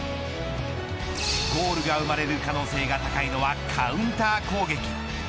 ゴールが生まれる可能性が高いのはカウンター攻撃。